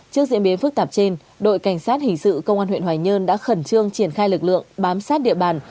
trước diễn biến phức tạp trên đội cảnh sát hình sự công an huyện hoài nhơn đã khẩn trương triển khai lực lượng bám sát địa bàn